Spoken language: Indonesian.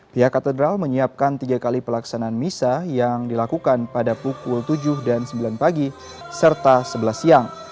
pihak katedral menyiapkan tiga kali pelaksanaan misa yang dilakukan pada pukul tujuh dan sembilan pagi serta sebelas siang